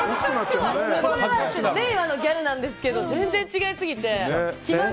令和のギャルなんですけど全然違いすぎて。